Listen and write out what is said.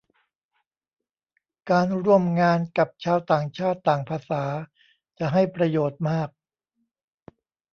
การร่วมงานกับชาวต่างชาติต่างภาษาจะให้ประโยชน์มาก